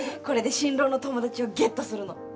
これで新郎の友達をゲットするの。